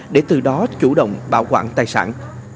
để từ đó chủ động bảo quản tài sản